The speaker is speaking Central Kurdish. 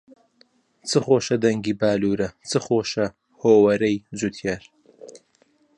چ خۆشە دەنگی باللۆرە، چ خۆشە هۆوەرەی جوتیار